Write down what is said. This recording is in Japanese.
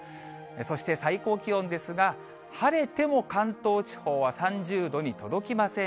そして最高気温ですが、晴れても関東地方は３０度に届きません。